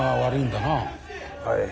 はい。